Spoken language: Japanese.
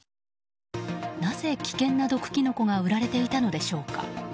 なぜ、危険な毒キノコが売られていたのでしょうか。